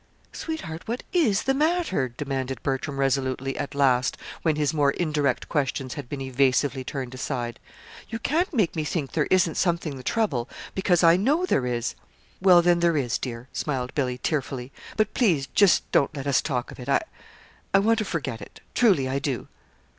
"Sweetheart, what is the matter?" demanded Bertram resolutely, at last, when his more indirect questions had been evasively turned aside. "You can't make me think there isn't something the trouble, because I know there is!" "Well, then, there is, dear," smiled Billy, tearfully; "but please just don't let us talk of it. I I want to forget it. Truly I do."